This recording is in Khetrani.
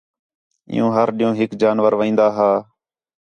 عِیّوں ہر ݙِین٘ہوں ہِک جانور وین٘دا ہا